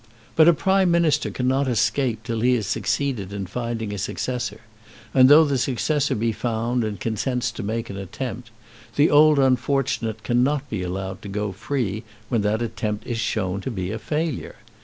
But a Prime Minister cannot escape till he has succeeded in finding a successor; and though the successor be found and consents to make an attempt, the old unfortunate cannot be allowed to go free when that attempt is shown to be a failure.